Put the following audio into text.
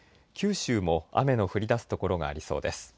九州も雨の降りだす所がありそうです。